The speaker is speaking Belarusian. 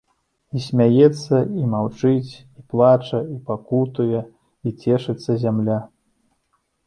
І смяецца, і маўчыць, і плача, і пакутуе, і цешыцца зямля.